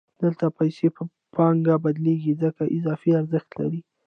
دلته پیسې په پانګه بدلېږي ځکه اضافي ارزښت لري